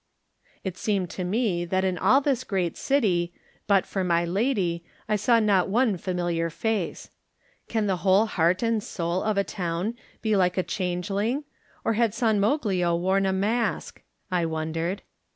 It seemed to me that in all this great city, but for my lady, I saw not one familiar face. Can the whole heart and soul of a town be like a changeling, or had San Mo lio worn a mask? I wondered.